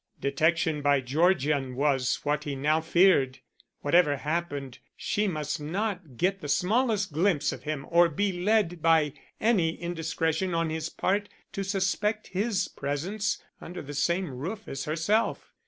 Detection by Georgian was what he now feared. Whatever happened, she must not get the smallest glimpse of him or be led by any indiscretion on his part to suspect his presence under the same roof as herself.